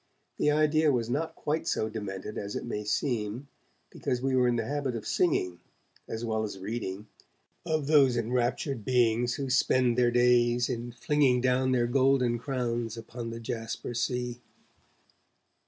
The idea was not quite so demented as it may seem, because we were in the habit of singing, as well as reading, of those enraptured beings who spend their days in 'flinging down their golden crowns upon the jasper sea'.